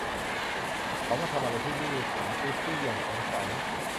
'เขามาทำอะไรที่นี่ ?' ถามกุสซี่อย่างสงสัย